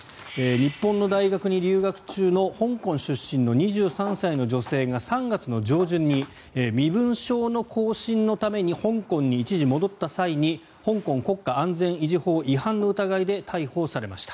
日本の大学に留学中の香港出身の２３歳の女性が３月の上旬に身分証の更新のために香港に一時戻った際に香港国家安全維持法違反の疑いで逮捕されました。